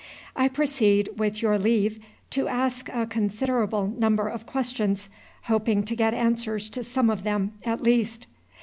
I proceed, with your leave, to ask a considerable number of questions, hoping to get answers to some of them, at least.